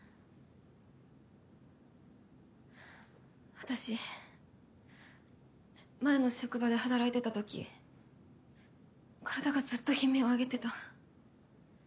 私前の職場で働いてたとき体がずっと悲鳴を上げてた。